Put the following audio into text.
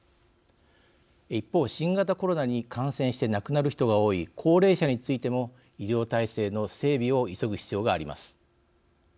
一方、新型コロナに感染して亡くなる人が多い高齢者についても医療体制の整備を急ぐ必要があります。